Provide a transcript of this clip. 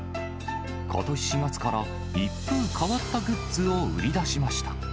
ことし４月から、一風変わったグッズを売り出しました。